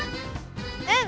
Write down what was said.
うん！